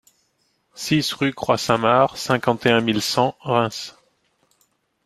six rue Croix Saint-Marc, cinquante et un mille cent Reims